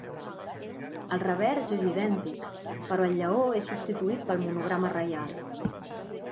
El revers és idèntic, però el lleó és substituït pel monograma reial.